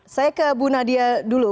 saya ke bu nadia dulu